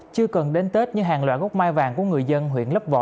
chưa cần đến tết nhưng hàng loại gốc mai vàng của người dân huyện lấp vò